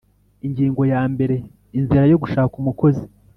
Ingingo ya mbere Inzira yo gushaka umukozi